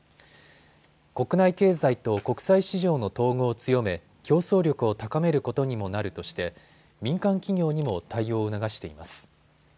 国内経済と国際市場の統合を強め競争力を高めることにもなるとして民間企業にも対応を促しています。